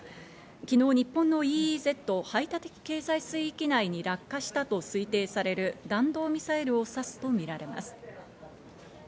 昨日、日本のＥＥＺ＝排他的経済水域内に落下したと推定される弾道ミサイルを指すとみられます。